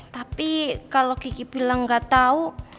tapi kalau kiki bilang gak tahu